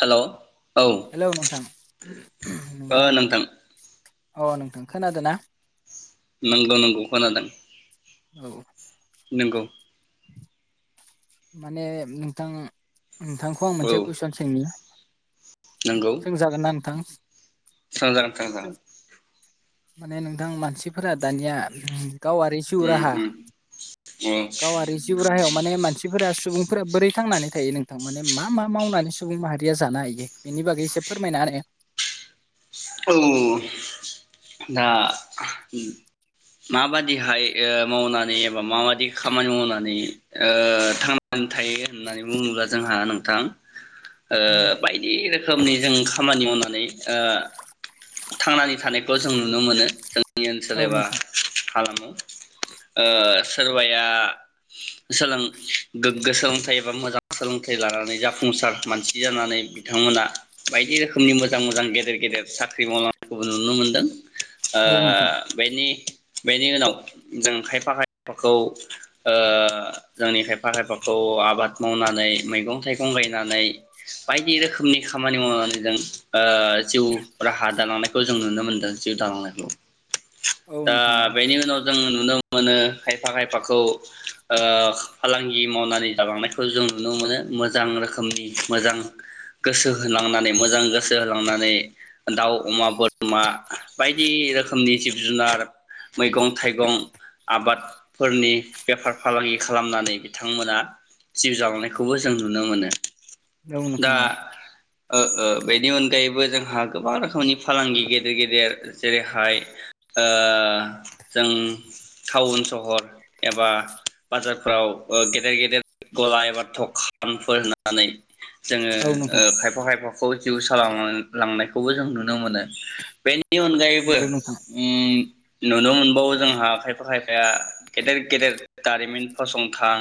हेल'। ओ हेल' नोंथां ओम नोंथां। अ नोंथां खोनादों ना? नोंगौ नोंगौ खोनादों। औ। नोंगौ। माने नोंथां। नोंथांखौ आं औ मोनसे कुइसन सोंनि। सों जागोन ना नोंथां? बि [inaudible] सों जागोन नोंथां। माने नोंथां मानसिफोरा दानिया। गावारि जिउ उम राहा उम गावारि जिउ राहायाव माने मानसि- फोरा सुबुंफोरा बोरै थांनानै थायो नोंथां? माने मा मा मावनानै सुबुं माहारिया जानो हायो? बेनि बागै एसे फोरमायना होनाय। औ दा माबादिहाय अ मावनानै एबा माबादि खामानि मावनानै अ थांनानै थायो होननानै बुङोब्ला जोंहा नोंथां। अ बायदि रोखोमनि जों खामानि मावनानै आ। थांनानै थानायखौ जों नुनो मोनो जों- नि ओनसोल औ एबा नोंथां हालामाव अ सोरबाया सोलों गोग्गो सोलोंथाइ एबा मोजां सोलोंथाइ लानानै जाफुंसार मानसि जानानै बिथांमोना बायदि रोखोमनि मोजां-मोजां गेदेर-गेदेर साख्रि मावला खौबो नुनो मोनदों। ओ औ नोंथां बेनि बेनि उनाव जों खायफा खायफाखौ ओ जोंनि खायफा खायफाखौ आबाद मावनानै मैगं थाइ गं गायनानै बायदि रोखोमनि खामानि मावनानै जों ओ जिउ हा दालांनायखौ जों नुनो मोन्दों जिउ दालांनायखौ। औ दा नोंथां औ बेनि उनाव जों नुनो मोनो खायफा खायफाखौ ओ फालांगि मावनानै जालांनायखौ जों नुनो मोनो मोजां रोखोमनि मोजां गोसो होलांनानै मोजां गोसो होलांनानै दाउ अमा बोरमा बायदि रोखोमनि जिब जुनार मैगं थाइगं आबादफोरनि बेफार फालांगि खालामनानै बिथांमोना जिउ जालांनायखौबो जों नुनो मोनो। औ दा नोंथां औ ओ ओ बेनि अनगायैबो जोंहा गोबां रोखोमनि फालांगि गेदेर गेदेर जेरैहाय ओ जों टाउन सहर एबा बाजार फ्राव ओ गेदेर गेदेर गला एबा दखानफोर होनानै जोङो औ नोंथां ओ खायफा खायफा खौ जिउ सालाय लांनाय खौबो जों नुनो मोनो बे नि अनगायैबो नंगौ नोंथां उम नुनो मोनबावो जोंहा खायफा खायफाया गेदेर गेदेर दारिमिन फसंथान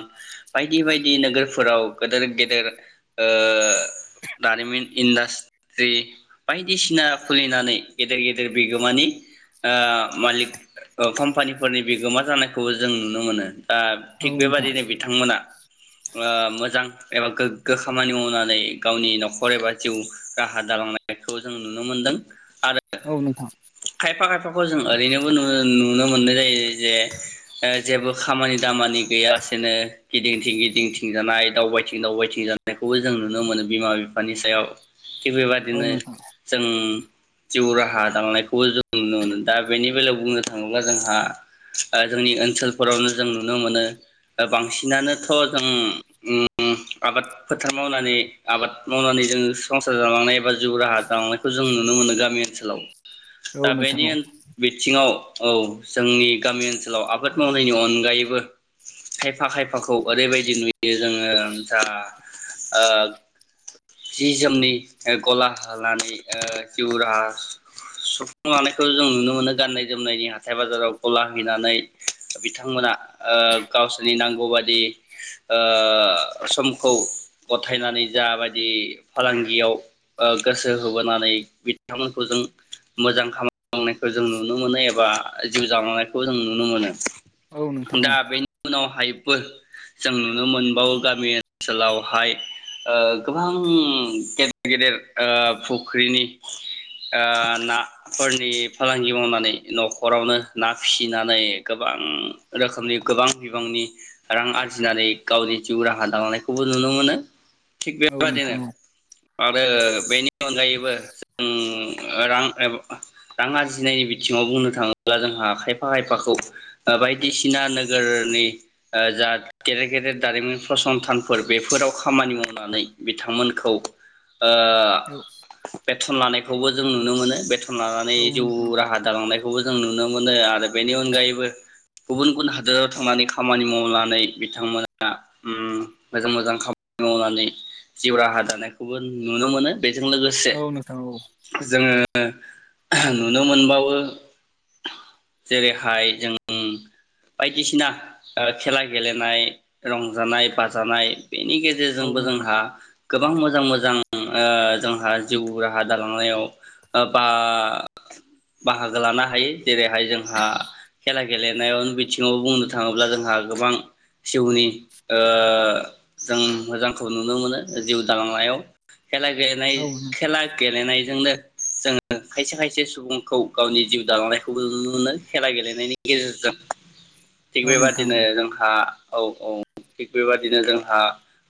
बायदि बायदि नोगोरफोराव गोदोर गेदेर ओ दारिमिन इन्डास्ट्रि बायदिसिना खुलिनानै गेदेर गेदेर बिगोमानि ओ मालिक ओ कम्पानिफोरनि बिगोमा जानायखौ जों नुनो मोनो। ओ औ थिग नोंथां बेबादिनो बिथांमोना ओ मोजां एबा गोग्गो खामानि मावनानै गावनि न'खर एबा जिउ राहा दालांनाय बेखौ जों नुनो मोनदों। आरो औ नोंथां खायफा खायफाखौ जों ओरैनोबो नु नुनो मोननाय जायो जे ओ जेबो खामानि दामानि गैयासेनो गिदिं थिं गिदिं थिं जानाय दावबायथिं दावबायथिं जानायखौबो जों नुनो मोनो बिमा बिफानि सायाव [unintelligible] औ बिदिनो नोंथां जों जिउ राहा दांलांनायखौबो जों नुनो मोनो दा बेनि बेलायाव बुंनो थाङोब्ला जोंहा ओ जोंनि ओनसोलफोरावनो जों नुनो मोनो ओ बांसिनानोथ' जों उम आबाद फोथार मावनानै आबाद मावनानै जों संसार जालांनाय एबा जिउ राहा दालांनायखौ जों नुनो मोनो गामि ओनसोलाव। दा औ नोंथां बेनि औ ओन बिथिङाव औ जोंनि गामि ओनसोलाव आबाद मावनायनि अनगायैबो खायफा खायफाखौ ओरैबायदि नुयो जोङो जा ओ जि जोमनि गला होनानै जिउ राहा सुफुं लानायखौ जों नुनो मोनो गाननाय जोमनायनि हाथाय बाजाराव गला हैनानै बिथांमोना ओ गावसोरनि नांगौबायदि समखौ गथायनानै जाबायदि फालांगियाव ओ गोसो होबोनानै बिथांमोनखौ जों मोजां खामानि मावनायखौ जों नुनो मोनो एबा जिउ जालांनायखौ जों नुनो मोनो। औ नोंथां दा बेनि उनावहाय बो जों नुनो मोनबावो गामि ओनसोलावहाय गोबां ओ गेदेर गेदेर ओ फुख्रिनि ओ नाफोरनि फालांगि मावनानै न'खरावनो ना फिसिनानै गोबां रोखोमनि गोबां बिबांनि रां आरजिनानै गावनि जिउ राहा दालांनायखौबो नुनो मोनो। थिग औ बेबायदिनो नोंथां औ आरो अनगायैबो जों उम रां एबा रां आरजिनायनि बिथिङाव बुंनो थाङोब्ला जोंहा खायफा खायफाखौ बायदिसिना नोगोरनि जा गेदेर गेदेर दारिमिन फसंथानफोर बेफोराव खामानि मावनानै बिथांमोनखौ ओ बेथन लानायखौ खौबो जों नुनो मोनो लानानै औ जिउ नोंथां राहा दालांनायखौ खौबो जों नुनो मोनो आरो बेनि अनगायैबो गुबुन गुबुन हादोराव थांनानै खामानि मावनानै बिथांमोना मोजां मोजां खामानि मावनानै जिउ राहा दानायखौबो नुनो मोनो बेजों लोगोसे औ नोंथां औ जोङो [unintelligible] नुनो मोनबावो जेरैहाय जों बायदिसिना खेला गेलेनाय रंजानाय बाजानाय बेनि औ गेजेरजोंबो नोंथां जोंहा गोबां मोजां मोजां ओ जोंहा जिउ राहा दालांनायाव ओ बा बाहागो लानो हायो जेरैहाय जोंहा खेला गेलेनायाव बिथिङाव बुंनो थाङोब्ला जोंहा गोबां जिउनि जों मोजांखौ नुनो मोनो जिउ दालांनायाव खेला गेलनाय औ नोंथां खेला गेलेनायजोंनो जोङो खायसे खायसे सुबुंखौ गावनि जिउ दालांनायखौबो नुनो मोनो खेला गेलेनायनि गेजेरजों थिग औ नोंथां बेबादिनो औ जोंहा औ औ थिग बेबादिनो जोंहा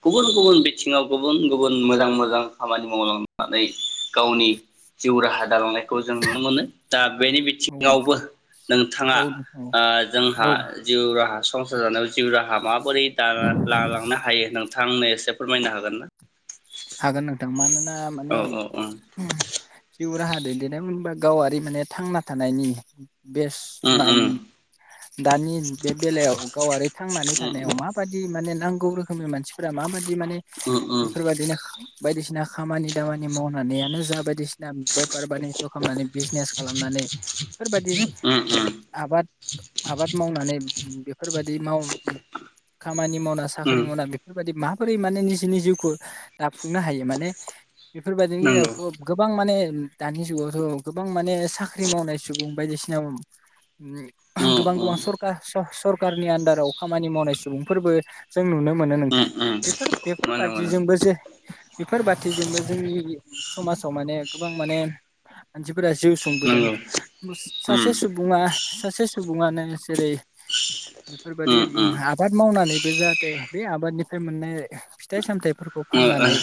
गुबुन गुबुन बिथिङाव गुबुन गुबुन मोजां मोजां खामानि मावलांनानै गावनि जिउ राहा दालांनायखौ जों नुनो मोनो दा बेनि औ बिथिङावबो नोंथां नोंथाङा औ नोंथां ओ औ जोंहा औ जिउ राहा संसार जानायाव जिउ राहा माबोरै ला लांनो हायो नोंथांनो एसे फोरमायनो हागोन ना? हागोन नोंथां मानो ओ औ माने औ उम जिउ राहा दैदेनाय बुंबा गावारि माने थांना थानायनि बेस उम मान दानि बे बेलायाव गावारि थांनानै थानायाव माबादि माने नां गौ रोखोमनि मानसिफोरा माबा माने उम बेफोरबायदिनो बायदिसिना खामानि दामानि मावनानैयानो जा बायदिसिन दा बेपार बानिज्य खालामनानै बिजनेस खालामनानै बिफोरबायदि उम आबाद आबाद मावनानै बेफोरबायदि माव मानि मावना उम साख्रि मावना बेफोरबायदि मा फ्रि माने निजिनि जिउखौ दाफुंनो हायो माने बेफोरबायदिनि नंगौ गेजेरायावथ' गोबां माने उम दानि जुगावथ' गोबां माने साख्रि मावनाय सुबुं बायदिसिना [unintelligible] उम गोबां उम गोबां सरकार स सर खारनि आनदाराव खामानि मावनाय सुबुंफोरबो जों नुनो मोनो नोंथां उम उम मोनो बेफोर-बेफोरबादि मोनो जोंबो जे बेफोर बादिजोंबो जोंनि समाजाव माने गोबां माने मानसि फोरा जिउ सुंबोदों, नंगौ मोस सासे उम सुबुंङा सासे सुबुं सुबुंङानो जेरै बेफोरबायदि उम आबाद मावनानैबो जाहाथे बे आबादनिफ्राय मोननाय फिथाइ सामथाइफोर फाननानै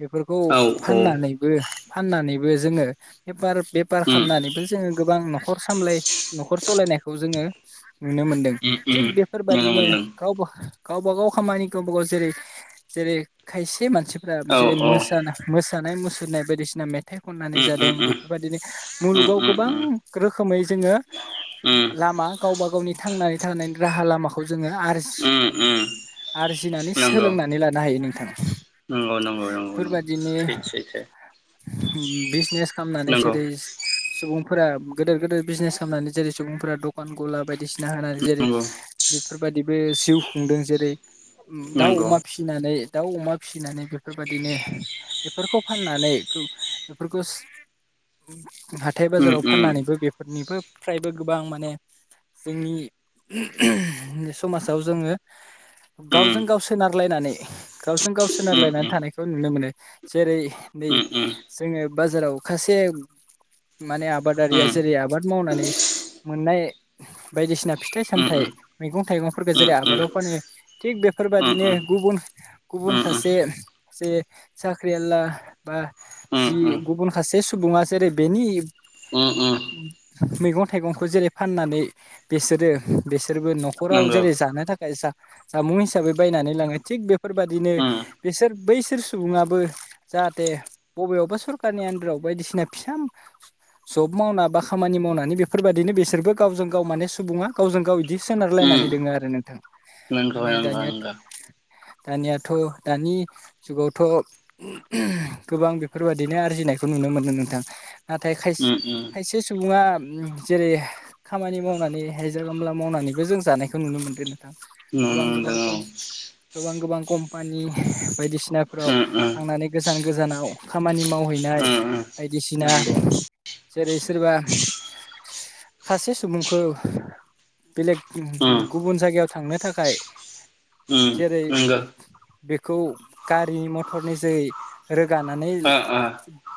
बेफोरखौ औ उम फाननानैबो फाननानै बो जोंङो बेफार बेफार उम खालामनानैबो जोंङो गोबां न खर सामलाय न'खर सलायनायखौ जोंङो नुनो मोनदों, थिग उम नुनो बेफोरबादिनो मोनदों गावबो गावबा गाव खामानि गावबा गाव जेरै जेरै खायसे मान सिफ्रा औ जेरै औ मोसा ना मोस थानाय मुसुरनाय बायदिसिना मे थाइ खननानै उम जादों उम बेफोरबायदिनो उम मुलुगाव गोबां रोखोमै जोंङो उम लामा गावबा गावनि थांनानै थांनायनि राहा लामाखौ जोंङो उम उम उम आरज-आरजिनानै नंगौ सोलोंनानै लानो हायो नों नंगौ नंगौ नंगौ नंगौ थै-सैथो। हुम बिस नेस खालामनानै जेरै-सुबुं फोरा गेदोर गेदोर बिजनेस खालामनानै जेरै सुबुंफोरा दखान गला बाय दिसिना होनानै जेरै नंगौ बेफोर बादिबो जिउ खुंदों जेरै उम दाव, नंगौ अमा फिनानै दाव, अमा फिनानै बेफोर बायदिनो बेफोरखौ फाननानै बेफोरखौ हाथाय उम बाजाराव उम फाननानैबो बेफोरनिबो फ्रायबो गोबां माने जोंनि समाजाव जोंङो उम गावजों गाव सोनारलायनानै गावजों गाव उम सोनारलायनानै उम थानायखौ नुनो मोनो। जेरै नै उम उम जोंङो बाजाराव खासे माने आबादारिया जेरै आबाद मावनानै मोननाय बायदिसिना फिथाइ सामथाइ मैगं थाइगंफोरखौ जेरै आबादाव उम फानो थिग बेफोरबाय उम दिनो गुबुन गुबुन सासे जे साख्रिआवला बा उम जि उम गुबुन सासे सुबुङा जेरै बेनि उ उ। मैगं थाइगंखौ जेरै फाननानै बेसोरो बेसे बे नखराव नंगौ जेरै जानो थाखाय। जामुं हिसाबै बायनानै लाङो थिग बे फोरबादिनो उम बिसोर बैसोर सुबुङाबो जाहाथे बबेयावबा सरखारनि आन्दाराव बायदिसिना फिसा जब मावना बा खामानि मावनानै बेफोरबायाददिनो बिसोरबो गावजों गाव माने सुबुङा गावजों गाव बिदि सोनारलायनानै उम दङो आरो नोंथां। नंगौ माने नंगौ दानियाथ नंगौ दानियाथ, दानि जुगावथ गोबां बेफोरबायदिनो आरजिनायखौ नुनो मोनदों नोंथां। नाथाय उम उम खायसे सुबुङा जेरै खामानि मावनानै हाजिरा कामला मावनानैबो जों जानायखौ नुनो मोन्दों। नुनो गोबां गोबां मोनदों खम औ गोबां कम्पानि बायदिसिनाफ्राव उम उम थांनानै गोजान गोजानाव खामानि मावहैनाय उम उम बायदिसिना। नंगौ जेरै सोरबा सासे सुबुंखौ। बेलेग उम गुबुन जायगायाव थांनो थाखाय उम जेरै नंगौ बेखौ गारि मथरनि जै गानानै ओ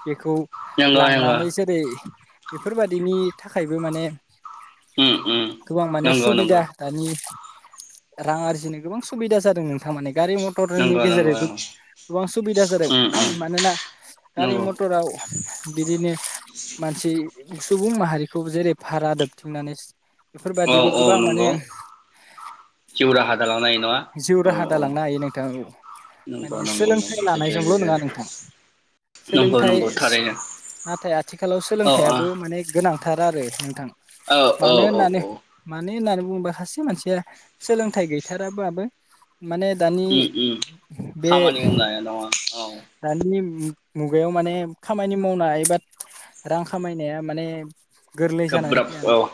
बेखौ नंगौ नंगौ लांनानै जेरै बेफोर बायदिनि थाखायबो माने उम उम गोबां माने नंगौ नंगौ सुबिदा रां आरजिनो गोबा‌ं सुबिदा जादों नोंथां माने। गारि मटरोनि नंगौ नंगौ गेजेरैबो गोबां सुबिदा जादों, उम उम मानोना गारि नंगौ मटराव बिदिनो मानसि सुबुं माहारिखौ जेरै भारा दोबथिंनानै औ बेफोरबादिबो औ गोबां माने नंगौ। जिउ राहा दालांनाय नङा जिउ औ राहा औ दालांनो हायो नोंथां औ। नंगौ माने नंगौ सोलोंथाइ नंगौ लानायजोंल' सैथो नङा नोंथां, नंगौ सोलोंथाइ नंगौ सो थारैनो नाथाय आथिखालाव औ सोलोंथाइयाबो माने गोनांथार आरो नोंथां। औ औ मानो औ होननानै औ माने होननानै बा सासे मानसिया सोलोंथाइ गैथार [unintelligible] माने दानि उम उम बे खामानि मावनाया नङा औ दानि मुगायाव माने खामानि मावनाय एबा रां खामायनाया माने गोरलै जानानै गोब्राब फैया औ नोंथां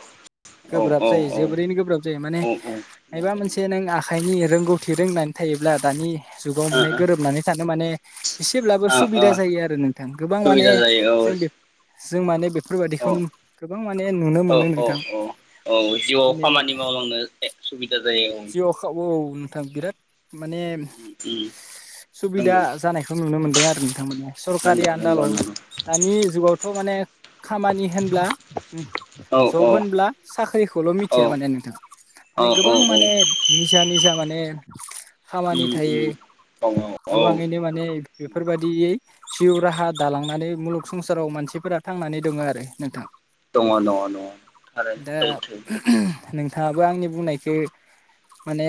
औ गोब्राब औ जायो औ जोबोरैनो गोब्राब जायो, माने नंगौ मायबा मोनसे नंगौ नों आ रोंगौथि रोंनानै थायोब्ला दानि जुगाव ओ माने गोरोबनानै थानो माने एसेब्लाबो ओ ओ ओ सुबिदा जायो आरो नोंथां, गोबां माने सुबिदा जायो औ जों बे जों माने बे औ औ औ नोंथां औ औ जिउआव खामानि मावलांनो सुबिद जिआवखाव औ। नोंथां बिराद माने नंगौ सुबिदा जानायखौ नुनो मोनदों आरो नोंथांमोन सरकारि नंगौ नंगौ आन्दालाव नंगौ दानि जुगावथ' माने। खामानि होनब्ला औ जब औ होनब्ला साख्रिखौल' औ मिथिया माने नोंथाङा औ माने औ गोबां ां माने निजा निजा। जा माने खामानि उम थायो उम औ गोबाङैनो माने बेफोरबादियै जिउ राहा दालांनानै मुलुग संसाराव मानसिफोरा थांनानै दङ आरो नोंथां। दङ दङ दङ थारै दा सैथो। नोंथाङाबो आंनि बुंनायखो माने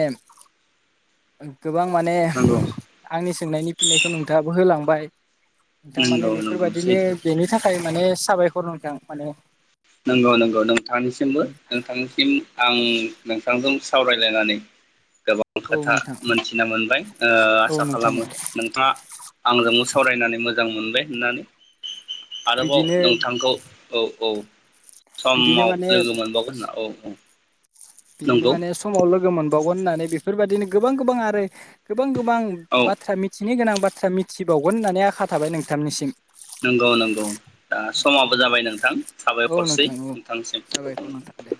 गोबां माने नंगौ आंनि सोंनायनि फिननायखौ नोंथाङाबो होलांबाय। नोंथांमाने नंगौ नंगौ बेफोरबायदिनो सैथो बेनि थाखाय माने साबायखर नोंथां माने। नंगौ नंगौ नोंथांनिसिमबो नोंथांनिसिम। आं नोंथांजों सावरायलायनानै गोबां औ खोथा नोंथां मोनथिना मोनबाय औ आसा नोंथां खालामो नोंथाङा आंजोंबो सावरायनानै मोजां मोजां मोनबाय होननानै। आरोबाव बिदिनो नोंथांखौ औ औ। बिदिनो समाव माने लोगो मोनबावगोन होनना औ औ। बिदिनो नंगौ माने समाव लोगो मोनबावगोन होननानै बे बेफोरबायदिनो गोबां गोबां आरो गोबां गोबां औ गोबां बाथ्रा मिथिनो गोनां। बाथ्रा मिथिबावगोन होननानै आखा थाबाय नोंथांनिसिम। नंगौ नंगौ दा समाबो जाबाय नोंथां औ साबायखरसै नोंथां औ साबायखर नोंथांसिम। नोंथां दे